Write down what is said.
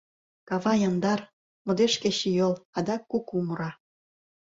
Кава яндар, модеш кечыйол, Адак куку мура.